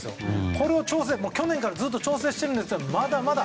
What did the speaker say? これを去年からずっと調整していますがまだまだ。